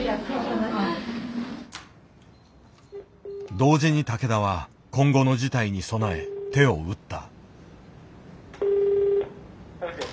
同時に竹田は今後の事態に備え手を打った。